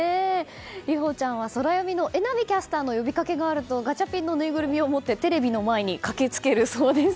莉歩ちゃんはソラよみの榎並キャスターの呼びかけがあるとガチャピンのぬいぐるみを持ってテレビの前に駆けつけるそうです。